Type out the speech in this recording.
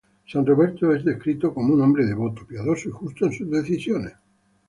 San Roberto es descrito como un hombre devoto, piadoso y justo en sus decisiones.